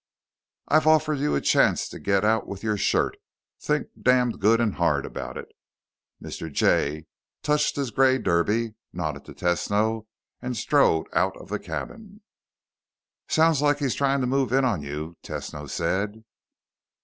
"I've offered you a chance to get out with your shirt. Think damned good and hard about it." Mr. Jay touched his gray derby, nodded to Tesno, and strode out of the cabin. "Sounds like he's trying to move in on you," Tesno said.